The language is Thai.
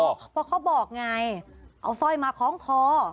เพราะเขาบอกไงเอาสร้อยมาคล้องคอ